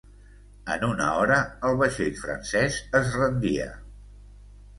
En una hora, el vaixell francès es rendia.